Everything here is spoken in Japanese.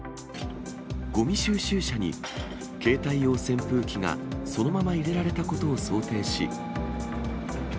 ごみ収集車に携帯用扇風機がそのまま入れられたことを想定し。